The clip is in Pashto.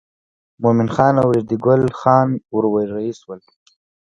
مومن خان او ریډي ګل خان ور رهي شول.